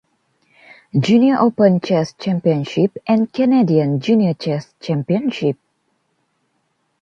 Junior Open Chess Championship and Canadian Junior Chess Championship.